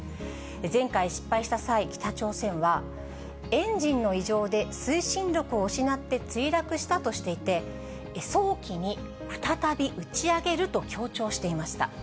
前回失敗した際、北朝鮮は、エンジンの異常で推進力を失って墜落したとしていて、早期に再び打ち上げると強調していました。